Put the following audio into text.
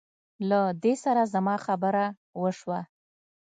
له دې سره زما خبره وشوه.